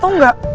tunggu aku kecap